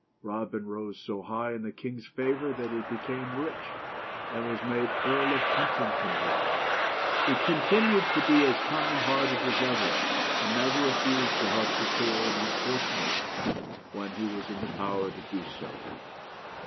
Robin rose so high in the king's favor that he became rich, and was made Earl of Huntingdon. He con tinued to be as kind hearted as ever, and never refused to help the poor and unfortunate, when it was in his power to do so.